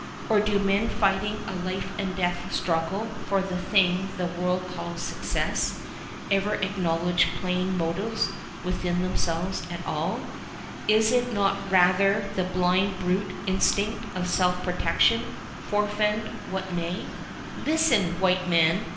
Or do men fighting a life and death struggle for the thing the world calls success ever acknowledge plain motives within themselves at all? Is it not rather the blind brute instinct of self protection, forfend what may? [Illustration: RED RIVER SETTLEMENT, 1816 1820] "Listen, white men!